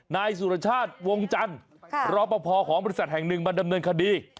นายสุรชาติวงจันทร์รอปภของบริษัทแห่งหนึ่งมาดำเนินคดี